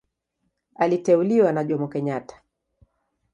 Aliteuliwa na Jomo Kenyatta.